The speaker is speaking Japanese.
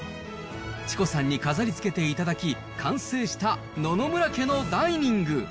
チコさんに飾りつけていただき、完成した野々村家のダイニング。